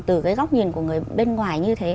từ cái góc nhìn của người bên ngoài như thế